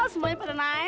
semuanya pada naik